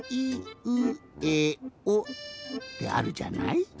ってあるじゃない？